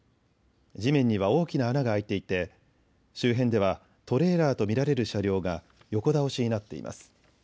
地面には大きな穴が開いていて周辺ではトレーラーと見られる車両が横倒しになっています。